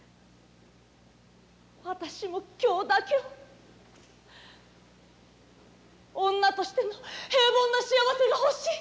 私も今日だけは女としての平凡な幸せがほしい。